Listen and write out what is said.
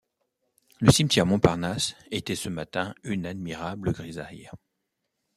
Le cimetière Montparnasse était ce matin une admirable grisaille.